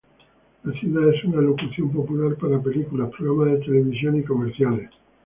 La ciudad es una locación popular para películas, programas de televisión, y comerciales.